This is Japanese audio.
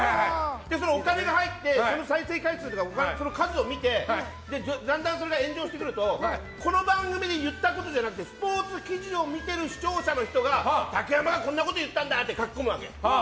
そのお金が入って、その数を見てだんだん、それが炎上してくるとこの番組で言ったことじゃなくてスポーツ記事を見てる視聴者の人が竹山がこんなこと言った！って書き込むわけ。